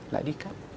là đi cấp